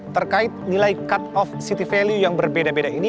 terkait nilai cut of city value yang berbeda beda ini